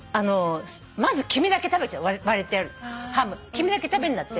黄身だけ食べんだって。